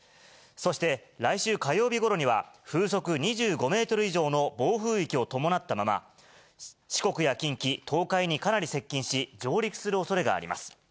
そして、来週火曜日ごろには、風速２５メートル以上の暴風域を伴ったまま、四国や近畿、東海にかなり接近し、上陸するおそれがあります。